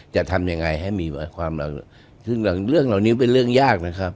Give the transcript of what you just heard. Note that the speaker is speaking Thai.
จะทำยังไงให้มีความเราซึ่งเรื่องเหล่านี้เป็นเรื่องยากนะครับ